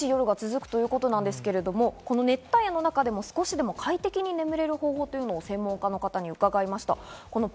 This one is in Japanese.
その寝苦しい夜が続くということなんですが、熱帯夜の中でも少しでも快適に眠れる方法を専門家の方に伺いました。